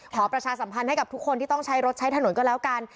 ประชาสัมพันธ์ให้กับทุกคนที่ต้องใช้รถใช้ถนนก็แล้วกัน